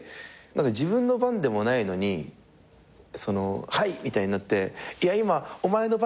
自分の番でもないのに「はい！」みたいになって「いや今お前の番じゃないだろ」